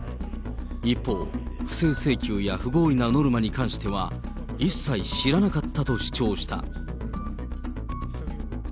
一方、不正請求や不合理なノルマに関しては、一切知らなかったと主張した。